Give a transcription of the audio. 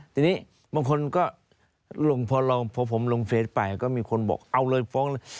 ทีนี้บางคนก็